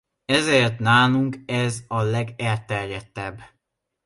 Ezért nálunk ez a legelterjedtebb.